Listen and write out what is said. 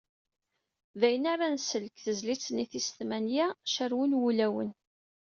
D ayen ara nsel deg tezlit-nni tis tmanya “Carwen wulawen."